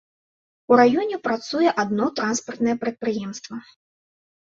У раёне працуе адно транспартнае прадпрыемства.